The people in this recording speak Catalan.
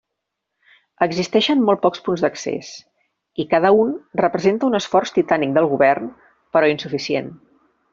Existeixen molt pocs punts d'accés i cada un representa un esforç titànic del govern però insuficient.